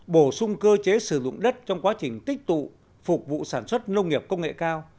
bổ sung cơ chế sử dụng đất trong quá trình tích tụ phục vụ sản xuất nông nghiệp công nghệ cao